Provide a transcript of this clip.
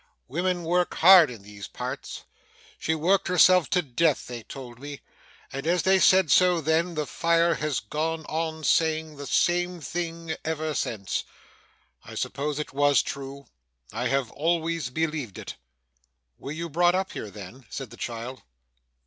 Women work hard in these parts. She worked herself to death they told me, and, as they said so then, the fire has gone on saying the same thing ever since. I suppose it was true. I have always believed it.' 'Were you brought up here, then?' said the child.